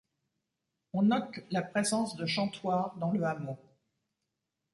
On note la présence de chantoirs dans le hameau.